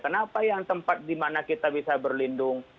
kenapa yang tempat dimana kita bisa berlindung